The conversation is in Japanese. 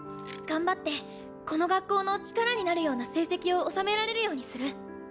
頑張ってこの学校の力になるような成績を収められるようにする。